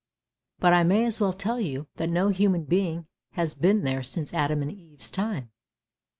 But I may as well tell you that no human being has been there since Adam and Eve's time.